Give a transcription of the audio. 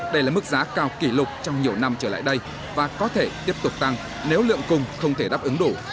đây là mức giá cao kỷ lục trong nhiều năm trở lại đây và có thể tiếp tục tăng nếu lượng cung không thể đáp ứng đủ